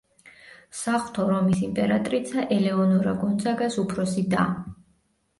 საღვთო რომის იმპერატრიცა ელეონორა გონძაგას უფროსი და.